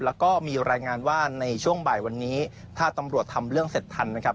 แล้วก็มีรายงานว่าในช่วงบ่ายวันนี้ถ้าตำรวจทำเรื่องเสร็จทันนะครับ